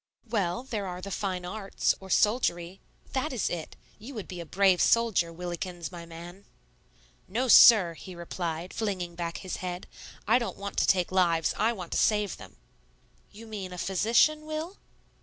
"Well, there are the fine arts, or soldiery, that is it. You would be a brave soldier, Willikins, my man." "No, sir," he replied, flinging back his head; "I don't want to take lives; I want to save them." "You mean a physician, Will?"